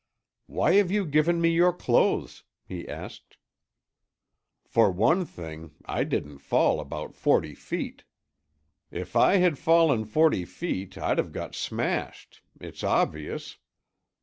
"Why have you given me your clothes?" he asked. "For one thing, I didn't fall about forty feet." "If I had fallen forty feet, I'd have got smashed. It's obvious!"